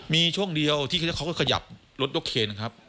มีช่วงเดียวที่เขาก็ขยับรถยกเคนนะครับ